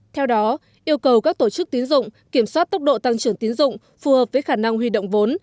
theo đó yêu cầu các tổ chức tín dụng kiểm soát tốc độ tăng trưởng tiến dụng phù hợp với khả năng huy động vốn